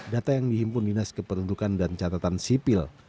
data yang dihimpun dinas kependudukan dan catatan sipil